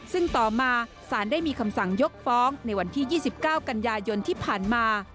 ซึ่งต่อมาสารได้มีคำสั่งยกฟ้องในวันที่๒๙กันยายนที่ผ่านมา